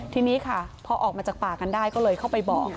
ทีนี้ค่ะพอออกมาจากป่ากันได้ก็เลยเข้าไปบอก